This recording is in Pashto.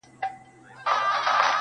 چي موږ ډېر یو تر شمېره تر حسابونو-